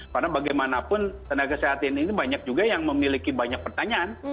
karena bagaimanapun tenaga kesehatan ini banyak juga yang memiliki banyak pertanyaan